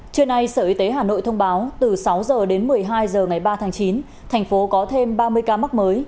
trưa nay sở y tế hà nội thông báo từ sáu h đến một mươi hai h ngày ba tháng chín thành phố có thêm ba mươi ca mắc mới